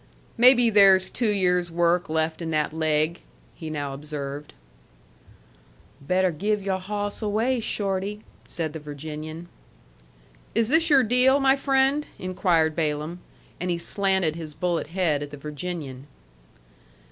"Maybe there's two years' work left in that leg," he now observed. "Better give your hawss away, Shorty," said the Virginian. "Is this your deal, my friend?" inquired Balaam. And he slanted his bullet head at the Virginian.